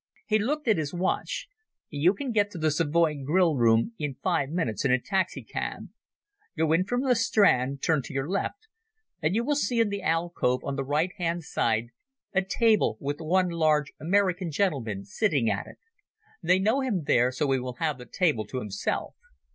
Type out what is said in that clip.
He looked at his watch. "You can get to the Savoy Grill Room in five minutes in a taxi cab. Go in from the Strand, turn to your left, and you will see in the alcove on the right hand side a table with one large American gentleman sitting at it. They know him there, so he will have the table to himself.